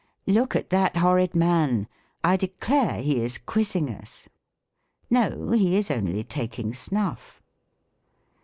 " Look at that horrid man ; I declare he is quizzing us!" "No, he is only taking snuff."